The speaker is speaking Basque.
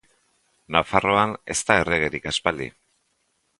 Nafarroan ez da erregerik aspaldi.